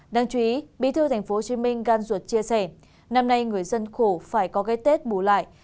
đáng chú ý bí thư thành phố hồ chí minh gan ruột chia sẻ năm nay người dân khổ phải có cái tết bù lại